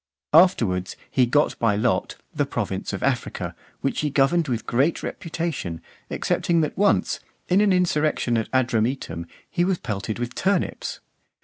Afterwards he got by lot the province of Africa, which he governed with great reputation, excepting that once, in an insurrection at Adrumetum, he was pelted with turnips.